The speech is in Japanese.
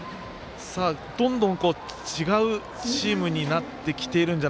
どんどん違うチームになってきているんじゃ